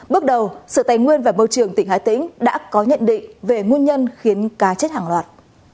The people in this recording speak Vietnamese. bước đầu sở tài nguyên và môi trường tỉnh hà tĩnh đã có nhận định về nguyên nhân khiến cá chết hàng loạt